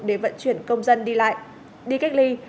để vận chuyển công dân đi lại đi cách ly